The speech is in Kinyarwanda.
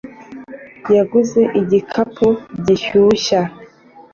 yaguze igikapu gishyashya